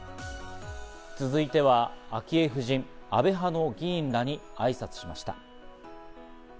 続いては昭恵夫人、安倍派の議員らに挨拶しました。